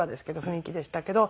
雰囲気でしたけど。